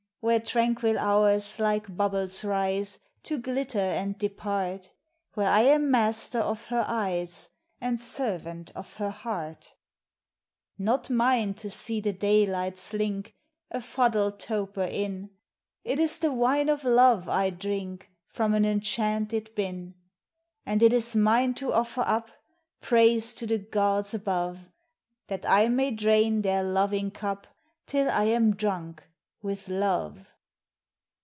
Where tranquil hours like bubbles rise To glitter and depart, Where I am master of her eyes And servant of her heart ? Not mine to see the daylight slink, A fuddled toper, in ; It is the wine of love I drink From an enchanted bin; 130 DRINKING SONG FOR LOVERS And it is mine to offer up Praise to the gods above, That I may drain their loving cup Till I am drunk with love.